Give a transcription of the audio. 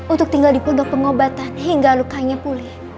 untuk tinggal di pondok pengobatan hingga lukanya pulih